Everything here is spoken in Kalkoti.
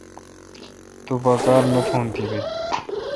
تو پا کار نہ تھون تی بی۔